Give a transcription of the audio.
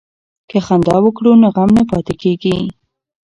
که خندا وکړو نو غم نه پاتې کیږي.